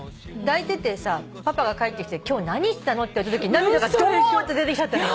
抱いててパパが帰ってきて「今日何してたの？」って言われたとき涙がドーッて出てきちゃったの。